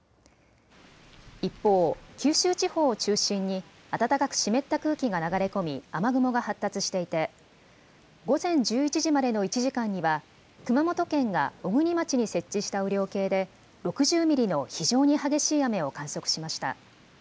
一方、九州地方を中心に暖かく湿った空気が流れ込み雨雲が発達していて午前１１時までの１時間には熊本県が小国町に設置した雨量計で６０ミリの非常に激しい雨を観測しました。